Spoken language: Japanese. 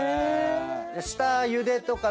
下ゆでとか